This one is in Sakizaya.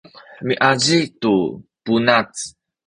miazih tu bunac